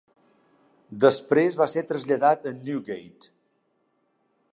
Després va ser traslladat a Newgate.